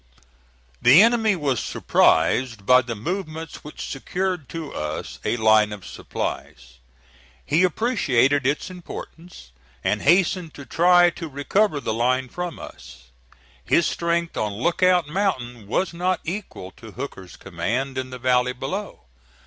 The enemy was surprised by the movements which secured to us a line of supplies. He appreciated its importance, and hastened to try to recover the line from us. His strength on Lookout Mountain was not equal to Hooker's command in the valley below.